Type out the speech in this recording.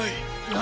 何！？